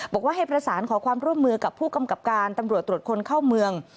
บอกว่าให้ประสานขอความร่วมมือกับผู้กำกับการตำรวจตรวจคนเข้าเมือง